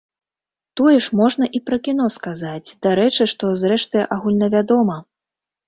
Тое ж можна і пра кіно сказаць, дарэчы, што, зрэшты, агульнавядома.